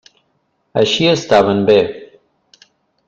Així estaven bé.